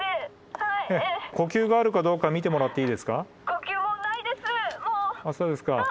呼吸があるかどうか見てもらっていいですか？